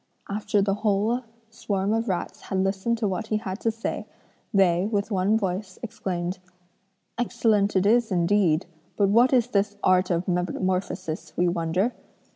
After the whole swarm of rats had listened to what he had to say, they, with one voice, exclaimed: 'Excellent it is indeed, but what is this art of metamorphosis we wonder?